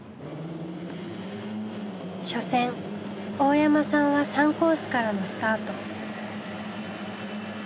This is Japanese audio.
初戦大山さんは３コースからのスタート。